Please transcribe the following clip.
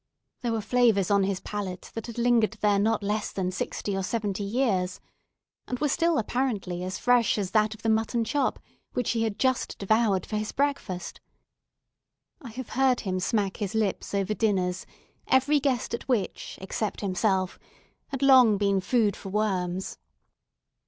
There were flavours on his palate that had lingered there not less than sixty or seventy years, and were still apparently as fresh as that of the mutton chop which he had just devoured for his breakfast. I have heard him smack his lips over dinners, every guest at which, except himself, had long been food for worms.